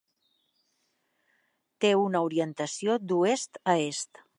Té una orientació d'oest a est.